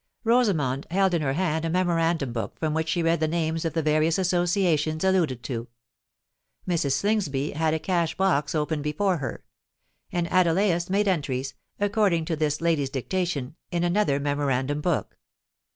Rosamond held in her hand a memorandum book from which she read the names of the various associations alluded to;—Mrs. Slingsby had a cash box open before her;—and Adelais made entries, according to this lady's dictation, in another memorandum book.